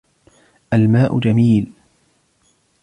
الماء جميل.